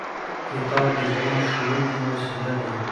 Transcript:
کتاب د ژوند ښوونکې وسیله ده.